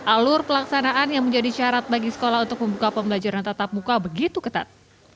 alur pelaksanaan yang menjadi syarat bagi sekolah untuk membuka pembelajaran tatap muka begitu ketat